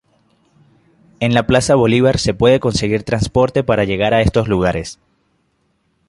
En la Plaza Bolívar se puede conseguir transporte para llegar a estos lugares.